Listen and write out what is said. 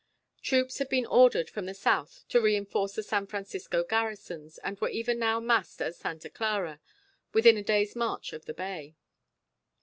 Troops had been ordered from the south to reinforce the San Francisco garrisons, and were even now massed at Santa Clara, within a day's march of the bay.